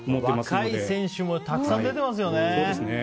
若い選手もたくさん出ていますよね。